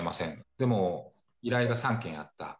でも、依頼が３件あった。